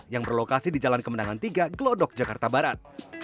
yang berlokasi di jalan kemenangan tiga glodok jakarta barat